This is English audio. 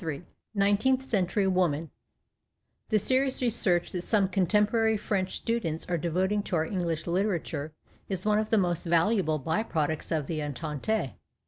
284 NINETEENT II C E N T U R Y W O M A N The serious research that some contemporary French students are dev^oting to our English Utera ture is one of thi; most valuable by products of the Entente.